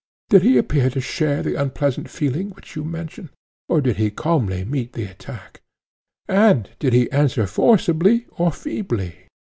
Did he appear to share the unpleasant feeling which you mention? or did he calmly meet the attack? And did he answer forcibly or feebly?